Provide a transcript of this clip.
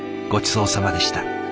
ごちそうさまでした。